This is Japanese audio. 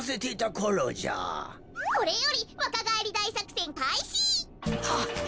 これよりわかがえりだいさくせんかいし！はひ。